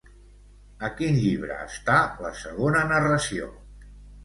A quin llibre està la segona narració?